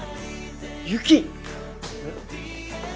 雪！